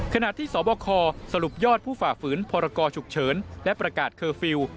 ขณะที่สบคสรุปยอดผู้ฝ่าฝืนพรกรฉุกเฉินและประกาศเคอร์ฟิลล์